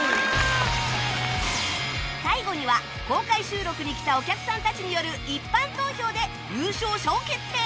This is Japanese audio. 最後には公開収録に来たお客さんたちによる一般投票で優勝者を決定